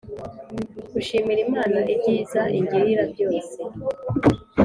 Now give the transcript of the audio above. gushimira imana ibyiza ingirira byose